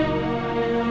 aku mau makan